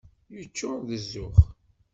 Yeččuṛ d zzux.